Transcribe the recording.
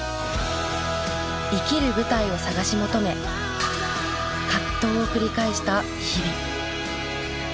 生きる舞台を探し求め葛藤を繰り返した日々。